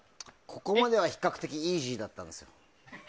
ここまでは比較的イージーだったですよ。